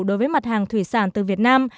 đối với mặt hàng thủy sản từ việt nam